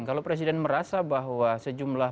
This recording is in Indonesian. kalau presiden merasa bahwa sejumlah